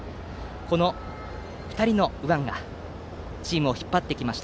この２人の右腕がチームを引っ張ってきました。